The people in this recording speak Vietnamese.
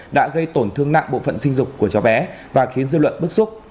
đã gây tổn thương nặng bộ phận sinh dục của cháu bé và khiến dư luận bức xúc